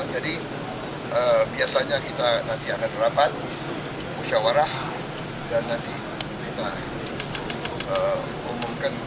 jadi biasanya kita nanti ada terapat musyawarah dan nanti kita umumkan